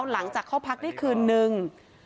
หลังจากเข้าพักได้คืนนึง